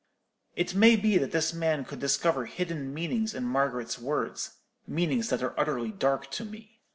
It may be that this man could discover hidden meanings in Margaret's words—meanings that are utterly dark to me.